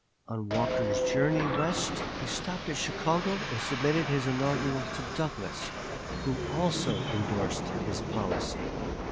On Walker's journey West he stopped at Chicago and submitted his inaugural to Douglas, who also indorsed his policy.